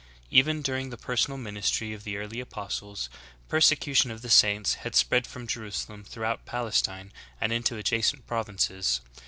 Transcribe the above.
Even dur ing the personal ministry of the early apostles, persecution of the saints had spread from Jerusalem, throughout Pales tine and into the adjacent provinces.